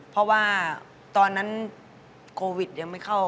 เพราะว่าตอนนั้นโควิดยังไม่เข้า